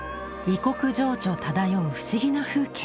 異国情緒漂う不思議な風景。